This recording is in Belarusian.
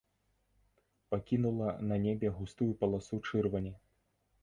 Пакінула на небе густую паласу чырвані.